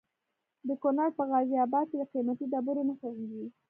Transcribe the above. د کونړ په غازي اباد کې د قیمتي ډبرو نښې دي.